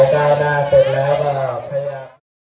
โปรดติดตามตอนต่อไป